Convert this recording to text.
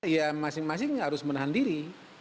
ya masing masing harus menahan diri